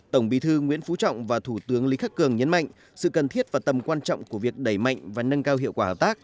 tổng bí thư nguyễn phú trọng và thủ tướng lý khắc cường nhấn mạnh sự cần thiết và tầm quan trọng của việc đẩy mạnh và nâng cao hiệu quả hợp tác